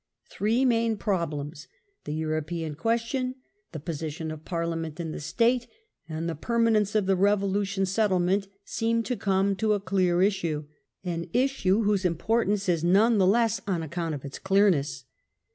Three main problems, the European question, Chief points the position of Parliament in the state, and of the reign, ^j^g permanence of the Revolution settlement, seem to come to a clear issue — an issue whose importance is none the less on account of its clearness.